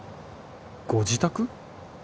ご自宅？